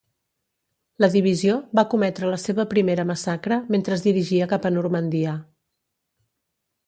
La divisió va cometre la seva primera massacre mentre es dirigia cap a Normandia.